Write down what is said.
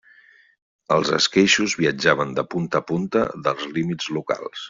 Els esqueixos viatjaven de punta a punta dels límits locals.